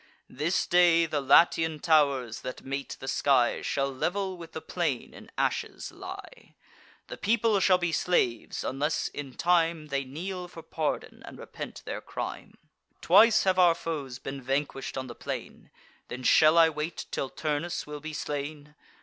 This day the Latian tow'rs, that mate the sky, Shall level with the plain in ashes lie: The people shall be slaves, unless in time They kneel for pardon, and repent their crime. Twice have our foes been vanquish'd on the plain: Then shall I wait till Turnus will be slain?